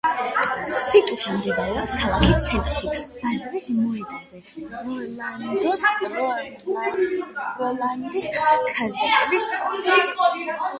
რატუშა მდებარეობს ქალაქის ცენტრში, ბაზრის მოედანზე, როლანდის ქანდაკების წინ.